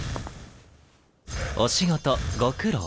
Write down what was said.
お仕事ご苦労。